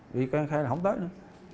bị can khe là không tới nữa